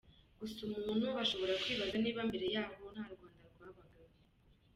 Gusa umuntu ashobora kwibaza niba mbere yaho nta Rwanda rwabagaho.